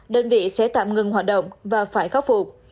đơn vị sẽ tạm ngừng hoạt động và phải khắc phục